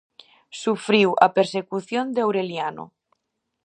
Sufriu a persecución de Aureliano.